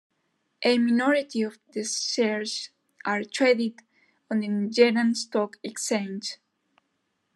A minority of the shares are traded on the Nigerian Stock Exchange.